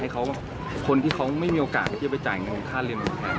คนที่เขาไม่มีโอกาสที่จะไปจ่ายเงินค่าเรียน